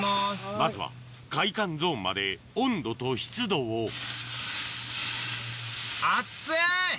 まずは快感ゾーンまで温度と湿度をアッツい！